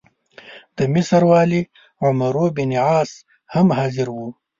د مصر والي عمروبن عاص هم حاضر وو.